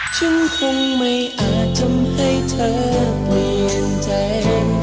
ฉันคงไม่อาจทำให้เธอเปลี่ยนใจ